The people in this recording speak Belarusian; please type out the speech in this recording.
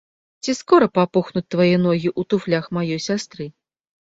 Ці скора папухнуць твае ногі ў туфлях маёй сястры?